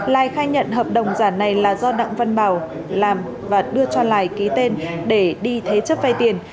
lai khai nhận hợp đồng giả này là do đặng văn bảo làm và đưa cho lài ký tên để đi thế chấp vay tiền